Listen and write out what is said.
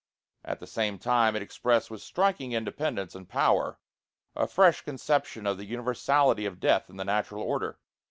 At the same time it expressed with striking independence and power a fresh conception of "the universality of Death in the natural order."